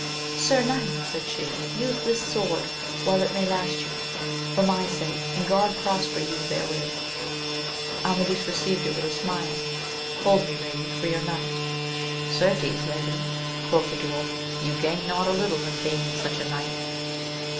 Sir knight, said she, use this sword while it may last you, for my sake, and God prosper you therewith. Amadis re ceived it with a smile: Hold me, lady, for your knight ! Certes, lady, quoth the dwarf, you gain not a little in gaining such a knight.